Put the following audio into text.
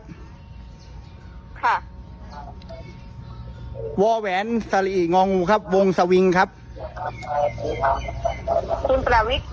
ค่ะวอแหวนสลิงองูครับวงสวิงครับคุณประวิทย์